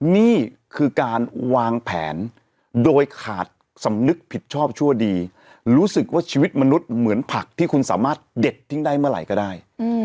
นี่คือการวางแผนโดยขาดสำนึกผิดชอบชั่วดีรู้สึกว่าชีวิตมนุษย์เหมือนผักที่คุณสามารถเด็ดทิ้งได้เมื่อไหร่ก็ได้